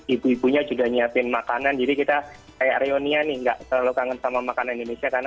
ibu ibunya juga nyiapin makanan jadi kita kayak areonia nih nggak terlalu kangen sama makanan indonesia karena